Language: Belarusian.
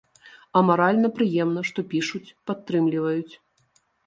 А маральна прыемна, што пішуць, падтрымліваюць.